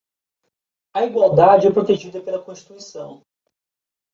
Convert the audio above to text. A igualdade é protegida pela Constituição.